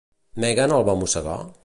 Megan el va mossegar?